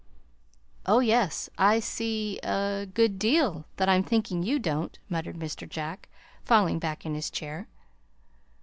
"Oh, yes! I see a good deal that I'm thinking you don't," muttered Mr. Jack, falling back in his chair.